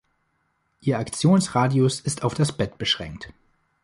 Ihr Aktionsradius ist auf das Bett beschränkt.